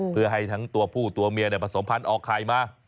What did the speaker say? เพื่อให้ทั้งตัวผู้ตัวเมียผสมพันธ์ออกไข่มา